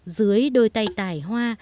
dưới đôi tay tài hoa